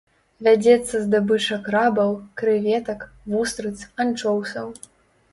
Вядзецца здабыча крабаў, крэветак, вустрыц, анчоўсаў.